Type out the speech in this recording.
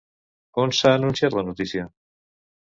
On s'ha anunciat la notícia?